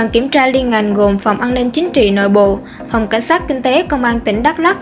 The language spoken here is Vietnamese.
đoàn kiểm tra liên ngành gồm phòng an ninh chính trị nội bộ phòng cảnh sát kinh tế công an tỉnh đắk lắc